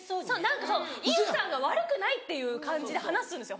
何かそう伊代さんが悪くないっていう感じで話すんですよ